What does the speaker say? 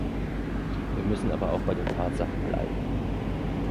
Wir müssen aber auch bei den Tatsachen bleiben.